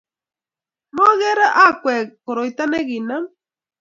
Mokerei akwek koroito nekinam?